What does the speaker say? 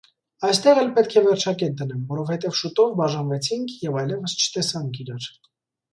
Այստեղ էլ պետք է վերջակետ դնեմ, որովհետև, շուտով բաժանվեցինք և այլևս չտեսանք իրար: